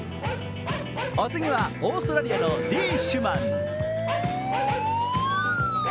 お次は、オーストラリアのリーシュマン。